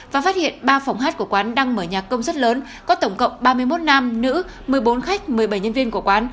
và phát hiện ba phòng hát của quán đang mở nhạc công rất lớn có tổng cộng ba mươi một nam nữ một mươi bốn khách một mươi bảy nhân viên của quán